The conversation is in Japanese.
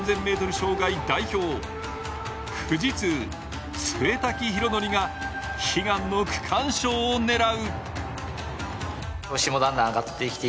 障害代表富士通・潰滝大記が悲願の区間賞を狙う。